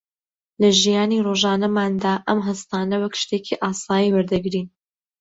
لە ژیانی ڕۆژانەماندا ئەم هەستانە وەک شتێکی ئاسایی وەردەگرین